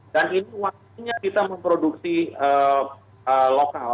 dan ini waktunya kita memproduksi lokal